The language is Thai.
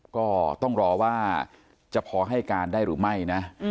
ก็ต้องรอว่าจะพอให้การได้หรือไม่นะ